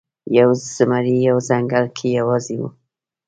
یو زمری په یوه ځنګل کې یوازې و.